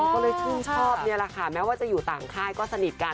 ก็เลยชื่อน่ะแม้ว่าจะอยู่ด้านใครก็สนิทกัน